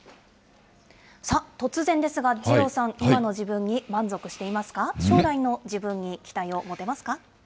突然ですが、二郎さん、今の自分に満足していますか。将来の自分に期待を持てますか？